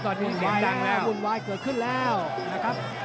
ตอนนี้เสียงดังแล้ววุ่นวายเกิดขึ้นแล้วนะครับ